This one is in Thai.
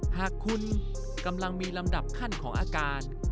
หากคุณกำลังมีลำดับขั้นของอาการ